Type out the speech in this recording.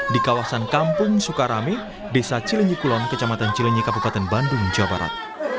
di kawasan kampung sukarame desa cilenyi kulon kecamatan cilenyi kabupaten bandung jawa barat